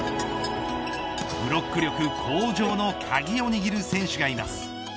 ブロック力向上の鍵を握る選手がいます。